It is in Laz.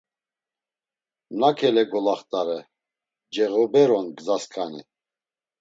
Nakele golaxt̆are, ceğober'on gzaskani!